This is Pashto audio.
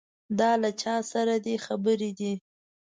دا له چا سره دې خبرې دي.